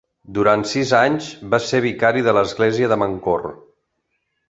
Durant sis anys va ser vicari de l'església de Mancor.